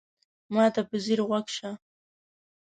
ما ته په ځیر غوږ شه !